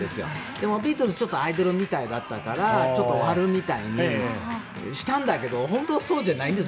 でもビートルズはアイドルみたいだったからちょっとワルにしたんだけど本当はそうじゃないんです。